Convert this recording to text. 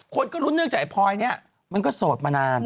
คนก็ลุ้นเนื่องจากไอ้พลอยเนี่ยมันก็โสดมานาน